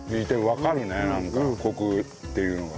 わかるねなんかコクっていうのが。